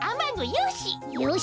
よし！